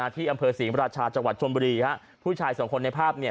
ที่อำเภอศรีมราชาจังหวัดชนบุรีฮะผู้ชายสองคนในภาพเนี่ย